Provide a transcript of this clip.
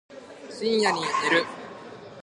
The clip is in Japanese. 深夜に寝る